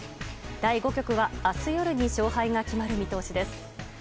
第５局は明日夜に勝敗が決まる見通しです。